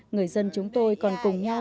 người dân chúng tôi còn cùng nhau